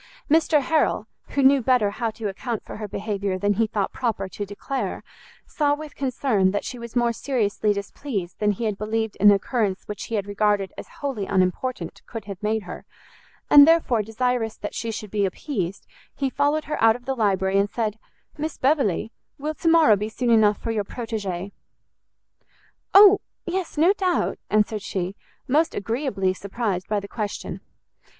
Mr Harrel, who knew better how to account for her behaviour than he thought proper to declare, saw with concern that she was more seriously displeased than he had believed an occurrence which he had regarded as wholly unimportant could have made her: and, therefore, desirous that she should be appeased, he followed her out of the library, and said, "Miss Beverley, will to morrow be soon enough for your protegee?" "O yes, no doubt!" answered she, most agreeably surprised by the question.